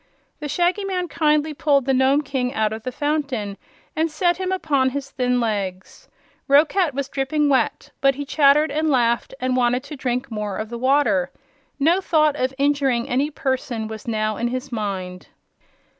The Shaggy Man kindly pulled the Nome King out of the fountain and set him upon his thin legs. Roquat was dripping wet, but he chattered and laughed and wanted to drink more of the water. No thought of injuring any person was now in his mind.